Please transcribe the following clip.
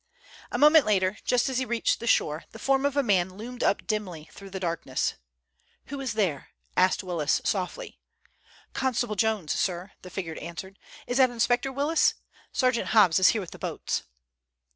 A moment later, just as he reached the shore, the form of a man loomed up dimly through the darkness. "Who is there?" asked Willis softly. "Constable Jones, sir," the figure answered. "Is that Inspector Willis? Sergeant Hobbs is here with the boats."